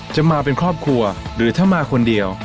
จะมาเป็นครอบครัวหรือถ้ามาคนเดียว